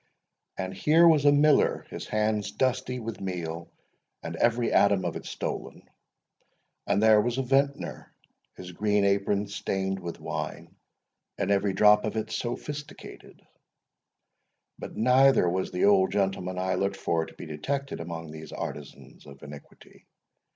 And here was a miller, his hands dusty with meal, and every atom of it stolen; and there was a vintner, his green apron stained with wine, and every drop of it sophisticated; but neither was the old gentleman I looked for to be detected among these artisans of iniquity.